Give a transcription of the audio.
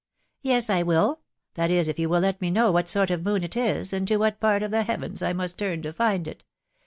" Yes, I will .... that is, if you will let me know what sort of moon it is, and to what part of the heavens I must turn to find it.